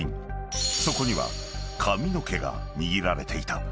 ［そこには髪の毛が握られていた］